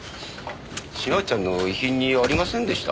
島内ちゃんの遺品にありませんでした？